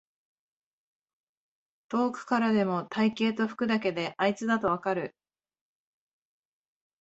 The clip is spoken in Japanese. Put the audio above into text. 遠くからでも体型と服だけであいつだとわかる